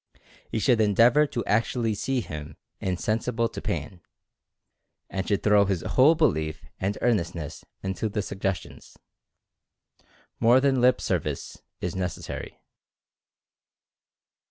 He should endeavor to actually "see" him insensible to pain, and should throw his whole belief and earnestness into the sug gestions. More than "lip service" is necessary.